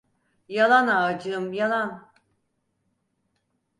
Yalan ağacığım, yalan!